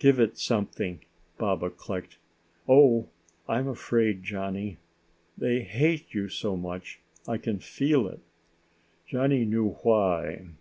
"Give it something," Baba clicked. "Oh, I'm afraid, Johnny. They hate you so much I can feel it." Johnny knew why.